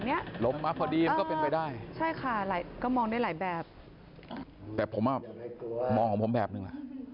เนี้ยลมมาพอดีมันก็เป็นไปได้ใช่ค่ะหลายก็มองได้หลายแบบแต่ผมอ่ะมองของผมแบบนึงอ่ะ